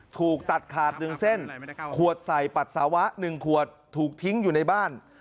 ถูกตัดขาด๑เส้นขวดใส่ปัสสาวะ๑ขวดถูกทิ้งอยู่ในบ้าน